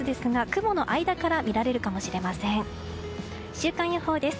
週間予報です。